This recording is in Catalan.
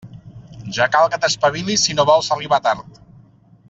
Ja cal que t'espavilis si no vols arribar tard.